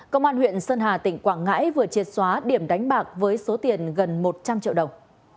công an huyện sơn hà tỉnh quảng ngãi vừa triệt xóa điểm đánh bạc với số tiền gần một trăm linh triệu đồng